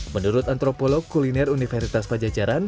menurut antropolog kuliner universitas pajajaran